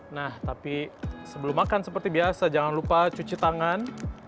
nah tapi sebelum makan seperti biasa jangan lupa cuci tangan